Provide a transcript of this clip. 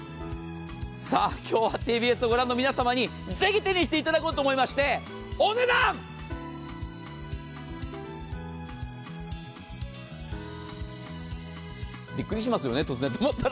さあ、今日はＴＢＳをご覧の皆様にぜひ手にしていただこうと思いまして、お値段ビックリしますよね、突然止まったら。